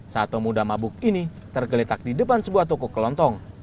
satu muda mabuk ini tergeletak di depan sebuah toko kelontong